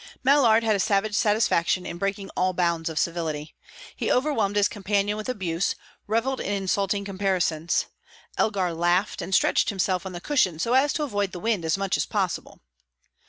Mallard had a savage satisfaction in breaking all bounds of civility. He overwhelmed his companion with abuse, revelled in insulting comparisons. Elgar laughed, and stretched himself on the cushions so as to avoid the wind as much as possible.